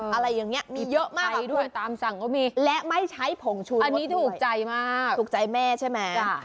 อะไรอย่างนี้มีเยอะมากตามสั่งก็มีและไม่ใช้ผงชูอันนี้ถูกใจมากถูกใจแม่ใช่ไหม